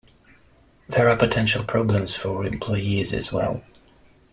There are potential problems for employees as well.